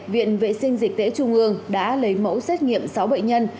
viện vệ sinh dịch tễ trung ương đã lấy mẫu xét nghiệm sáu bệnh nhân